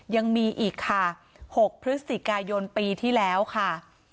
ยังมีอีกค่ะ๖พฤศจิกายนปีที่แล้วค่ะ